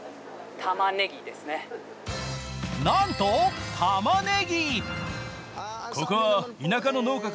なんと、たまねぎ。